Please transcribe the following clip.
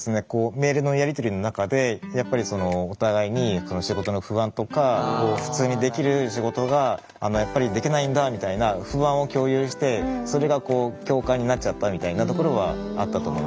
メールのやり取りの中でやっぱりお互いに仕事の不安とか普通にできる仕事がやっぱりできないんだみたいななっちゃったみたいなところはあったと思います。